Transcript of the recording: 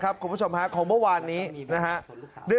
แต่ตอนนี้ติดต่อน้องไม่ได้